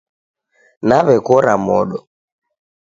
Nawekora modo